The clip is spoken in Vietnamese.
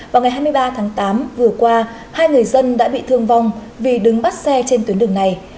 vào ngày hai mươi ba tháng tám vừa qua hai người dân đã bị thương vong vì đứng bắt xe trên tuyến đường này